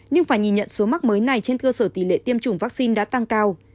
nhưng phải nhìn nhận số mắc mới này trên cơ sở tỷ lệ tiêm chủng vaccine đã tăng cao